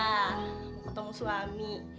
mau ketemu suami